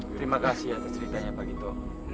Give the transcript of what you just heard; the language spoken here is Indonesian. terima kasih atas ceritanya pak gito